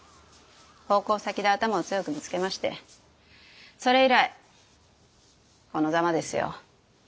奉公先で頭を強くぶつけましてそれ以来このざまですよ。